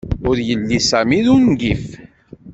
Ur yelli Sami d ungif.